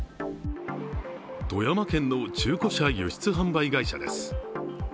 富山県の中古車輸出販売会社です。